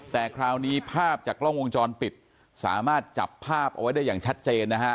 แต่คราวนี้ภาพจากกล้องวงจรปิดสามารถจับภาพเอาไว้ได้อย่างชัดเจนนะฮะ